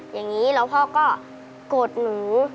อย่างนี้แล้วพ่อก็โกรธหนู